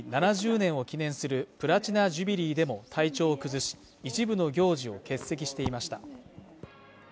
７０年を記念するプラチナ・ジュビリーでも体調を崩し一部の行事を欠席していました